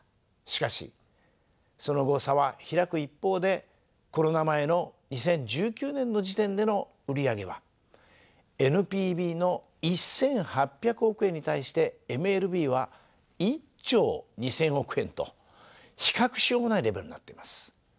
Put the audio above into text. しかしその後差は開く一方でコロナ前の２０１９年の時点での売り上げはＮＰＢの１，８００億円に対してＭＬＢは１兆２，０００億円と比較しようもないレベルになっています。